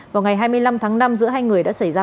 vào ngày hai mươi năm tháng năm giữa hai người đã xảy ra